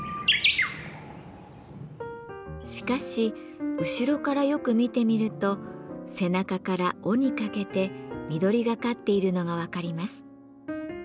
しかし後ろからよく見てみると背中から尾にかけて緑がかっているのが分かります。